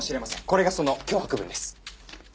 これがその脅迫文です。